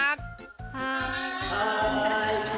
はい！